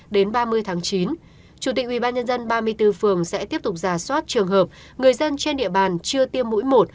đến ba mươi tháng chín chủ tịch ubnd ba mươi bốn phường sẽ tiếp tục giả soát trường hợp người dân trên địa bàn chưa tiêm mũi một